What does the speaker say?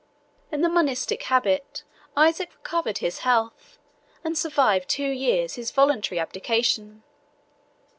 In the monastic habit, Isaac recovered his health, and survived two years his voluntary abdication.